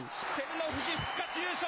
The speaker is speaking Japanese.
照ノ富士復活優勝。